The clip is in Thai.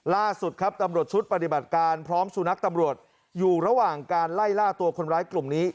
ล่าสุดครับตำรวจชุดปฏิบัติการพร้อมสุนัขตำรวจอยู่ระหว่างการไล่ล่าตัวคนร้ายกลุ่มนี้